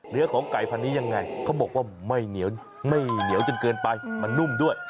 เนื้อของไก่พันนี้ยังไงเขาบอกว่าไม่เหนียวไม่เหนียวจนเกินไปมันนุ่มด้วย